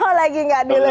oh lagi enggak dulu